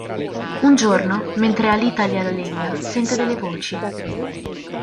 Un giorno, mentre ʿAlí taglia legna, sente delle voci.